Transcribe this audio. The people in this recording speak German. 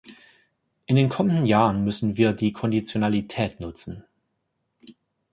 In den kommenden Jahren müssen wir die Konditionalität nutzen.